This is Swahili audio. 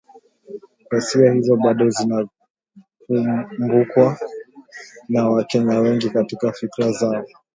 “Ghasia hizo bado zinakumbukwa na Wakenya wengi katika fikra zao.